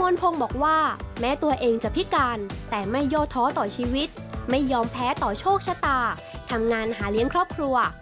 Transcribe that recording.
มนพงศ์บอกว่าแม้ตัวเองจะพิการแต่ไม่ย่อท้อต่อชีวิตไม่ยอมแพ้ต่อโชคชะตาทำงานหาเลี้ยงครอบครัว